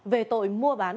về tội mua bán